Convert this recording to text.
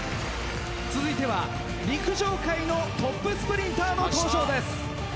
続いては陸上界のトップスプリンターの登場です。